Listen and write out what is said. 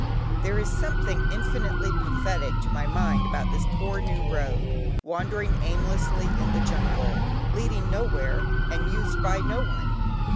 There is something infinitely pathetic to my mind about this poor new road, wandering aimlessly in the jungle, leading nowhere and used by no one.